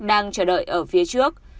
đang chờ đợi ở phía trước